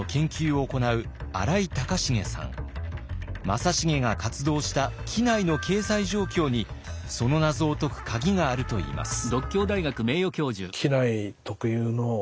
正成が活動した畿内の経済状況にその謎を解く鍵があるといいます。